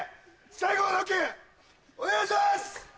最後のノックお願いします！